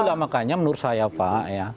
itu namanya menurut saya pak